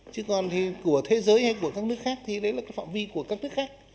chứ còn thì của thế giới hay của các nước khác thì đấy là cái phạm vi của các nước khác